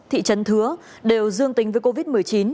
thị trấn thứa đều dương tính với covid một mươi chín